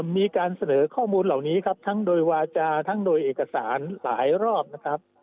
มีการเสนอข้อมูลเหล่านี้ครับทั้งโดยวาจาทั้งโดยเอกสารหลายรอบนะครับ